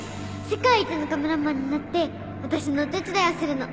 世界一のカメラマンになって私のお手伝いをするの